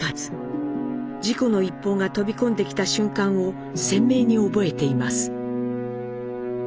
事故の一報が飛び込んできた瞬間を鮮明に覚えています。